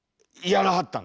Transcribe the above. やらはった。